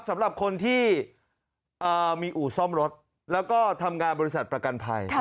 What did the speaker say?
สำหรับคนที่มีอู่ซ่อมรถแล้วก็ทำงานบริษัทประกันภัย